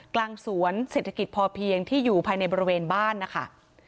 กลางสวนเศรษฐกิจพอเพียงที่อยู่ภายในบริเวณบ้านนะคะ